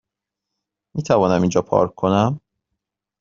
میتوانم اینجا پارک کنم؟